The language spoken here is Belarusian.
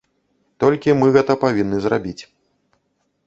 Толькі мы гэта павінны зрабіць.